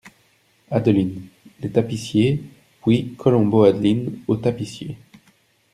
Adeline, les tapissiers ; puis Colombot Adeline , aux tapissiers.